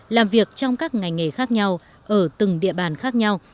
làm việc trong các ngành nghề khác nhau ở từng địa bàn khác nhau